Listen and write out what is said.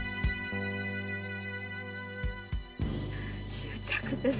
祝着です